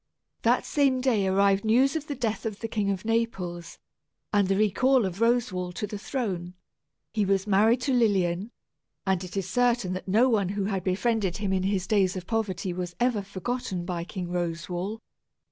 That same day arrived news of the death of the King of Naples, and the recall of Roswal to the throne. He was married to Lilian; and it is certain that no one who had befriended him in his days of poverty was ever forgotten by King Roswal.